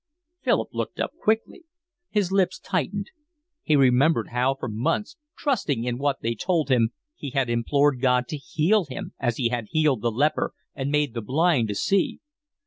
Philip looked up quickly. His lips tightened. He remembered how for months, trusting in what they told him, he had implored God to heal him as He had healed the Leper and made the Blind to see.